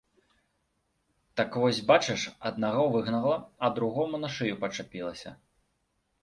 Так вось бачыш, аднаго выгнала, а другому на шыю пачапілася.